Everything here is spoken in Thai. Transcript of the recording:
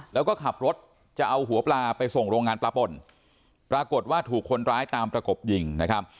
แล้วก็ขับรถจะเอาหัวปลาไปส่งโรงงานปลาป่นปรากฏว่าถูกคนร้ายตามประกบยิงนะครับ